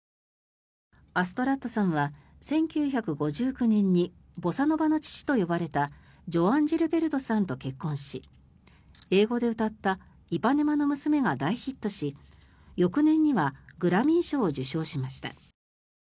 アストラッドさんは１９５９年にボサノバの父と呼ばれたジョアン・ジルベルトさんと結婚し英語で歌った「イパネマの娘」が大ヒットし翌年にはグラミー賞を受賞しました。